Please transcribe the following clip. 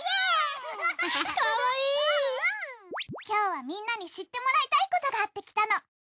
今日はみんなに知ってもらいたいことがあって来たの。